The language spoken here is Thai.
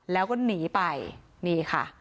แล้วก็หนีไปนี่ค่ะ